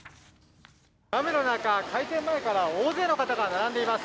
雨の中、開店前から大勢の方が並んでいます。